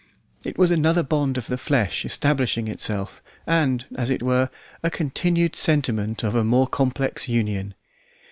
It was another bond of the flesh establishing itself, and, as it were, a continued sentiment of a more complex union.